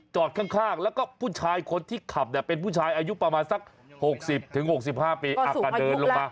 ข้างแล้วก็ผู้ชายคนที่ขับเนี่ยเป็นผู้ชายอายุประมาณสัก๖๐๖๕ปีเดินลงมา